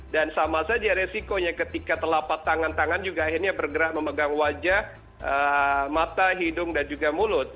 dan sama saja resikonya ketika telapak tangan tangan juga akhirnya bergerak memegang wajah mata hidung dan juga mulut